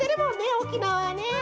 沖縄はね。